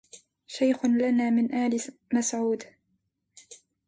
شيخ لنا من آل مسعود